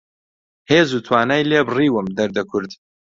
هێز و توانای لێ بڕیوم دەردە کورد